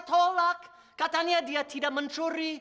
tolak katanya dia tidak mencuri